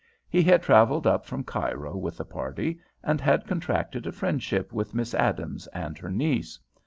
He had travelled up from Cairo with the party, and had contracted a friendship with Miss Adams and her niece.